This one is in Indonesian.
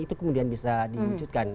itu kemudian bisa diwujudkan